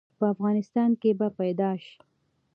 په افغانستان کې به پيدا ش؟